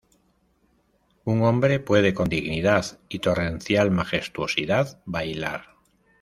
Un hombre puede, con dignidad y torrencial majestuosidad, bailar.